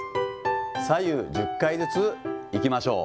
左右１０回ずついきましょう。